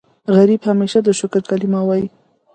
غریب همیشه د شکر کلمه وايي